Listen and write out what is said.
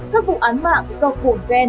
các vụ án mạng do cuồng khen